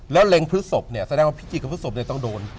แล้วเล็งพฤศพเนี่ยแสดงว่าพิจิกับพฤศพต้องโดน